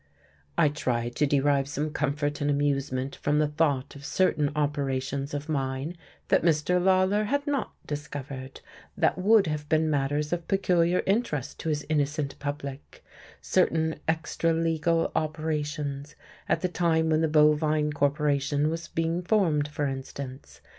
I tried to derive some comfort and amusement from the thought of certain operations of mine that Mr. Lawler had not discovered, that would have been matters of peculiar interest to his innocent public: certain extra legal operations at the time when the Bovine corporation was being formed, for instance.